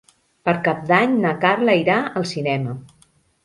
Per Cap d'Any na Carla irà al cinema.